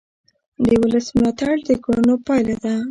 د ولس ملاتړ د کړنو پایله ده